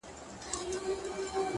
د زړې دروازې زنګ تل یو ډول داستان لري